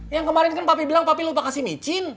yang kemarin kan papi bilang papi lupa kasih micin